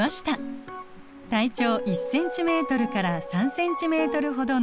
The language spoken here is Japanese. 体長１ｃｍから３ｃｍほどの扁形動物